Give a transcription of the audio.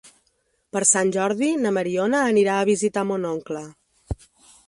Per Sant Jordi na Mariona anirà a visitar mon oncle.